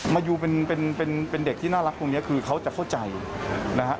มายูเป็นเป็นเด็กที่น่ารักตรงนี้คือเขาจะเข้าใจนะฮะ